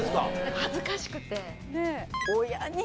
恥ずかしくて。